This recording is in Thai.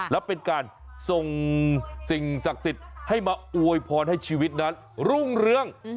และเป็นการส่งสิ่งศักดิ์สิทธิ์ให้มาอวยพรให้ชีวิตนั้นรุ่งเรือง